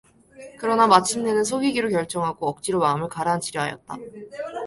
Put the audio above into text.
그러나 마침내는 속이기로 결정하고 억지로 마음을 가라앉히려 하였다.